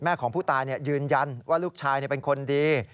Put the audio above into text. แม่ของผู้ตายเนี่ยยืนยันว่าลูกชายเนี่ยเป็นคนดี